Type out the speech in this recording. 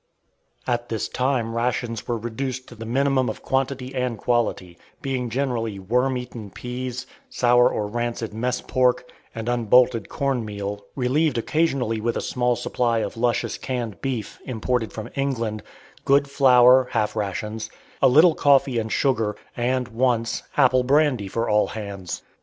At this time rations were reduced to the minimum of quantity and quality, being generally worm eaten peas, sour or rancid mess pork, and unbolted corn meal, relieved occasionally with a small supply of luscious canned beef, imported from England, good flour (half rations), a little coffee and sugar, and, once, apple brandy for all hands.